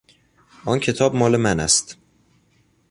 آن کتاب مال من است.